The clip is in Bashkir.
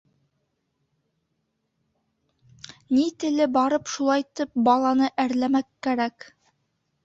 Ни теле барып шулайтып баланы әрләмәк кәрәк.